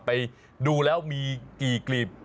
ไปดูแล้วมีกี่กลีบ